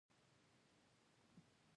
پنېر د بانډار پر وخت خوړل کېږي.